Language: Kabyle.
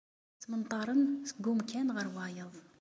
Ttmenṭaren seg umkan ɣer wayeḍ.